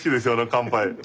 「乾杯」。